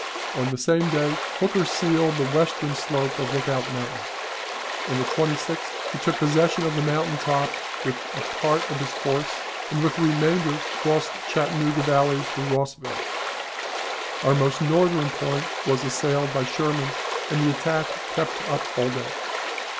On the same day Hooker sealed the western slope of Lookout Mountain. On the 26th he took possession of the mountain top with a part of his force, and with the remainder crossed Chattanooga Valley to Rossville. Our most northern point was assailed by Sherman, and the attack kept up all day.